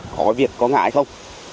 có việc có ngã hay không